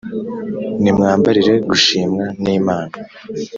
nimwambarire gushimwa n’imana